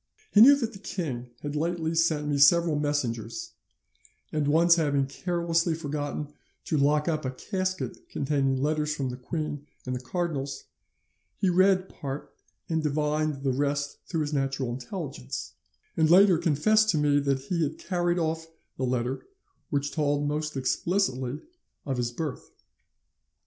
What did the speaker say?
He knew that the king had lately sent me several messengers, and once having carelessly forgotten to lock up a casket containing letters from the queen and the cardinals, he read part and divined the rest through his natural intelligence; and later confessed to me that he had carried off the letter which told most explicitly of his birth.